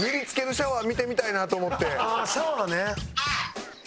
シャワー。